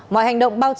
mọi hành động bao trì